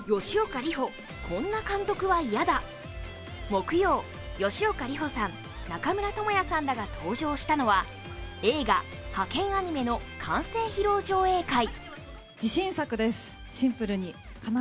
木曜、吉岡里帆さん、中村倫也さんらが登場したのは映画「ハケンアニメ！」の完成披露上映会。